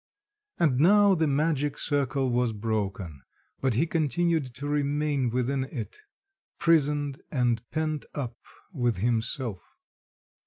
And now the magic circle was broken, but he continued to remain within it, prisoned and pent up within himself.